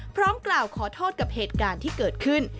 พร้อมกล่าวขอโทษกับเหตุการณ์ที่เกิดขึ้น